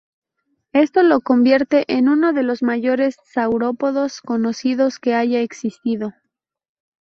Esto lo convierte en uno de los mayores saurópodos conocidos que haya existido.